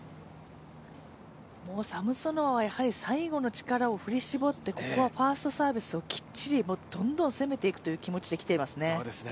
サムソノワは最後の力を振り絞って、ここはファーストサービスをきっちり、どんどん取っていく気持ちで攻めてますね。